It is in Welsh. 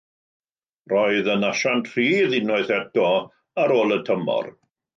Roedd yn asiant rhydd unwaith eto ar ôl y tymor.